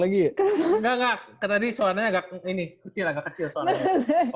enggak enggak kan tadi suaranya agak ini kecil agak kecil soalnya